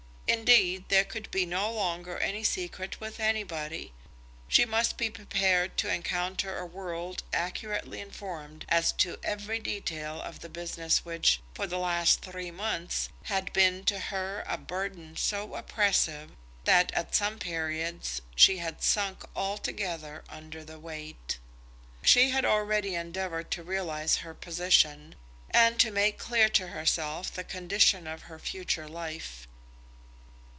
Indeed there could be no longer any secret with anybody. She must be prepared to encounter a world accurately informed as to every detail of the business which, for the last three months, had been to her a burden so oppressive that, at some periods, she had sunk altogether under the weight. She had already endeavoured to realise her position, and to make clear to herself the condition of her future life.